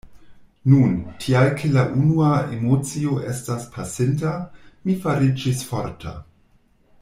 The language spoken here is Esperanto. Nun, tial ke la unua emocio estas pasinta, mi fariĝis forta.